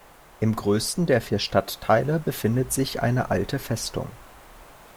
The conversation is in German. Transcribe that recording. Im größten der vier Stadtteile befindet sich eine alte Festung.